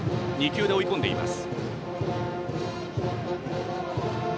２球で追い込んでいます。